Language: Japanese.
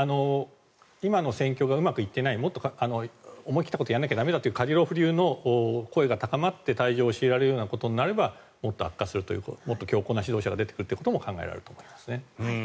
今の戦況がうまくいっていないもっと思い切ったことをやらないと駄目だというカディロフ流の声が高まって退場を強いられるようなことになればもっと悪化するともっと強硬な指導者が出てくることも考えられます。